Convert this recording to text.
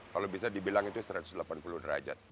kalau bisa dibilang itu satu ratus delapan puluh derajat